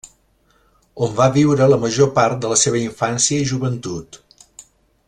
On va viure la major part de la seva infància i joventut.